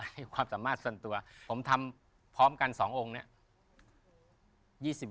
ให้ความสามารถส่วนตัวผมทำพร้อมกัน๒องค์เนี่ย